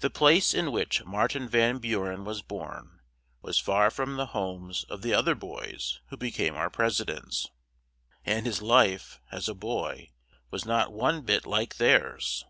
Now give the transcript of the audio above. The place in which Mar tin Van Bu ren was born was far from the homes of the oth er boys who be came our pres i dents; and his life, as a boy, was not one bit like theirs.